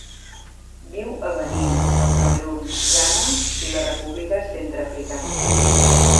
Viu a Benín, el Camerun, Ghana i la República Centreafricana.